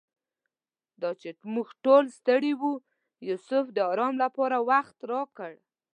دا چې موږ ټول ستړي وو یوسف د آرام لپاره وخت راکړ.